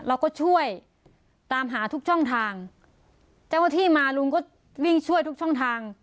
เราก็ช่วยตามหาทุกช่องทางเจ้าหน้าที่มาลุงก็วิ่งช่วยทุกช่องทาง